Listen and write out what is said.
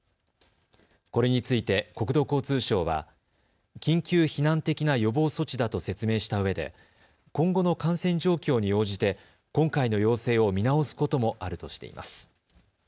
これについて国土交通省は緊急避難的な予防措置だと説明したうえで今後の感染状況に応じて今回の要請を見直すこともあるとしています。